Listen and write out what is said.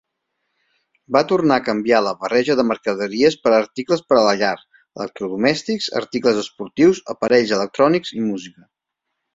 Va tornar a canviar la barreja de mercaderies per articles per a la llar, electrodomèstics, articles esportius, aparells electrònics i música.